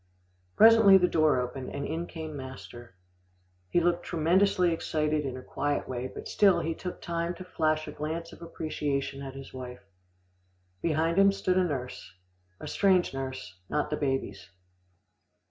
Presently the door opened, and in came master. He looked tremendously excited in a quiet way, but still he took time to flash a glance of appreciation at his wife. Behind him stood a nurse a strange nurse, not the baby's.